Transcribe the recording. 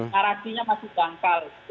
narasinya masih dangkal